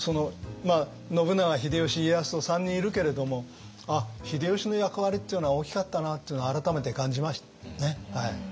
信長秀吉家康と３人いるけれどもああ秀吉の役割っていうのは大きかったなっていうのを改めて感じましたね。